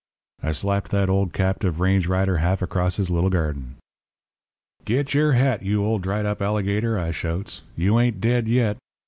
"I slapped that old captive range rider half across his little garden. "'Get your hat, you old dried up alligator,' I shouts, 'you ain't dead yet.